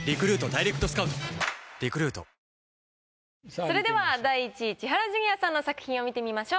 それでは第１位千原ジュニアさんの作品を見てみましょう。